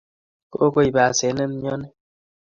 kokoip asenet mioni